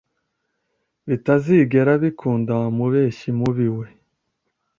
bitazigera bikunda wa mubeshyi mubi we